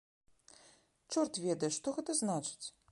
Чорт ведае, што гэта значыць?